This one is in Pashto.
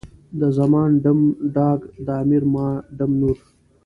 د زمان ډم، ډاګ، د امیر ما ډم نور.